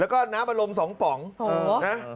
แล้วก็น้ำระลมสองปองโอ๊ะ